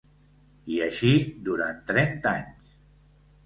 I així durant trenta anys.